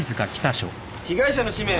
被害者の氏名